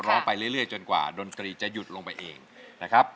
ไปเรื่อยจนกว่าดนตรีจะหยุดลงไปเองนะครับ